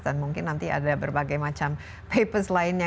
dan mungkin nanti ada berbagai macam papers lainnya